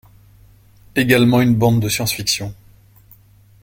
Egalement une bande de science-fiction.